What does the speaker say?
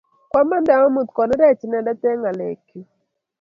Kwamande amun konerech inendet eng' ng'alek chuk.